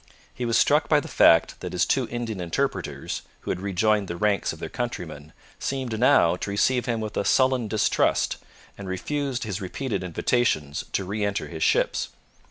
He was struck by the fact that his two Indian interpreters, who had rejoined the ranks of their countrymen, seemed now to receive him with a sullen distrust, and refused his repeated invitations to re enter his ships.